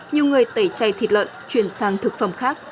nhiều người tẩy chay thịt lợn chuyển sang thực phẩm khác